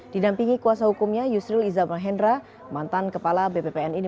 dinampingi kuasa hukumnya yusril iza mahendra mantan kepala bppni